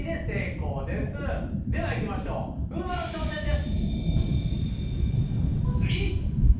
では行きましょう風磨の挑戦です。